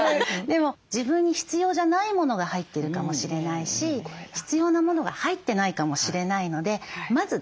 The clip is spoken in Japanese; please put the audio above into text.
でも自分に必要じゃないものが入ってるかもしれないし必要なものが入ってないかもしれないのでまず出してみる。